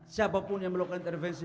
siapapun yang melakukan intervensi